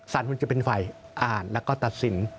คงจะเป็นฝ่ายอ่านแล้วก็ตัดสิน